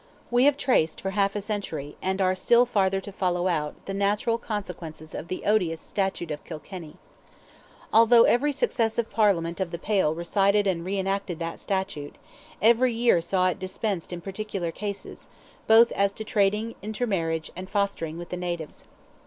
We have traced for half a century, and are still farther to follow out, the natural consequences of the odious Statute of Kilkenny. Although every successive Parliament of the Pale recited and re enacted that statute, every year saw it dispensed in particular cases, both as to trading, intermarriage, and fostering with the natives.